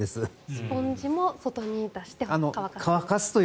スポンジも外に出して乾かすと。